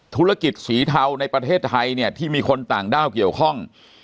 ธุรกิจสีเทาในประเทศไทยเนี่ยที่มีคนต่างด้าวเกี่ยวข้อง